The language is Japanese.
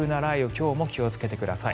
今日も気をつけてください。